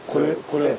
これ。